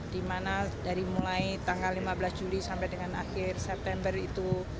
di mana dari mulai tanggal lima belas juli sampai dengan akhir september itu